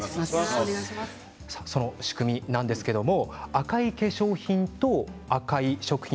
その仕組みなんですけれども赤い化粧品と赤い食品